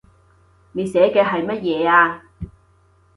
你寫嘅係乜嘢呀